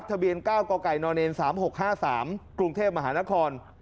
ทะเบียน๙กกน๓๖๕๓กรุงเทพมหานคร